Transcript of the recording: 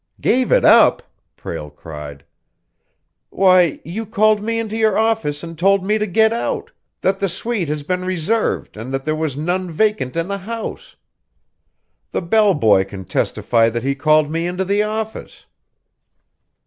"Gave it up!" Prale cried. "Why, you called me into your office and told me to get out, that the suite has been reserved and that there was none vacant in the house. The bell boy can testify that he called me into the office."